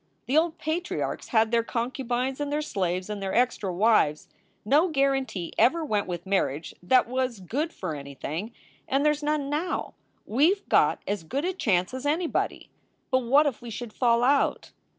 The old patriarchs had their concubines and their slaves and their extra wives. No guaranty ever went with marriage that was good for any thing, and there s none now. We ve got as good a chance as anybody." "But what if we should fall out?